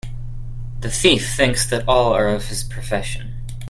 The thief thinks that all are of his profession.